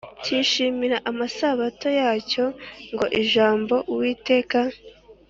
Cyishimira amasabato yacyo ngo ijambo uwiteka